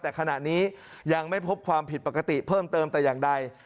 แต่ขณะนี้ยังไม่พบความผิดปกติเพิ่มเติมแต่อย่างใด